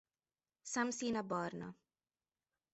Szemszíne barna.